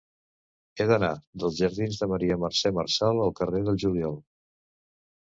He d'anar dels jardins de Maria Mercè Marçal al carrer del Juliol.